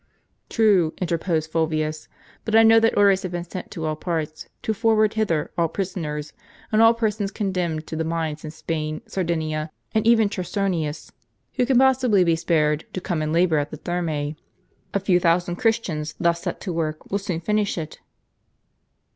"True," interposed Fulvius; "but I know that orders have been sent to all parts, to forward hither all prisoners, and all persons condemned to the mines in Spain, Sardinia, and even Chersonesus, who can possibly be spared, to come and labor at the Thermae. A few thousand Christians, thus set to the work, will soon finish it."